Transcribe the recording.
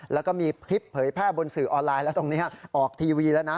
แล้วก็มีคลิปเผยแพร่บนสื่อออนไลน์แล้วตรงนี้ออกทีวีแล้วนะ